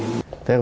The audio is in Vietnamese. thế thì hồi đó